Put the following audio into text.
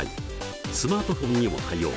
スマートフォンにも対応。